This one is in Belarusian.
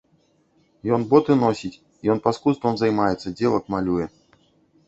Ён боты носіць, ён паскудствам займаецца, дзевак малюе.